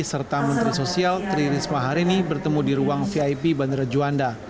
serta menteri sosial tri risma hari ini bertemu di ruang vip bandara juanda